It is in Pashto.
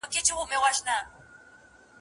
ایا د استاد او شاګرد خویونه سره یو دي؟